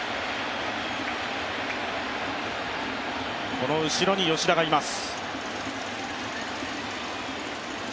この後ろに吉田がいます。